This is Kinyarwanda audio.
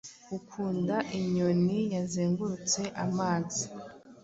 Ukunda inyoniyazengurutse amazi